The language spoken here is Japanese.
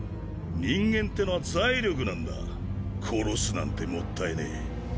人間ってのは財力なんだ殺すなんてもったいねえ。